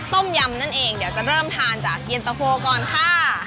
ต้มยำนั่นเองเดี๋ยวจะเริ่มทานจากเย็นตะโฟก่อนค่ะ